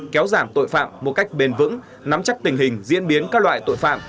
kéo giảm tội phạm một cách bền vững nắm chắc tình hình diễn biến các loại tội phạm